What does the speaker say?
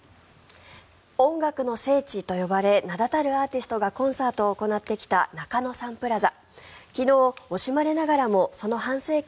音楽の聖地と呼ばれ名立たるアーティストがコンサートを行ってきた中野サンプラザ。